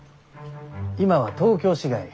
今は東京市外